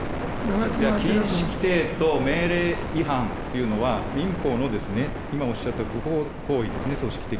いや、禁止規定と命令違反というのは、民法のですね、今、おっしゃった不法行為ですね、組織的。